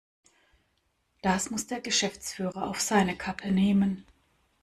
Das muss der Geschäftsführer auf seine Kappe nehmen.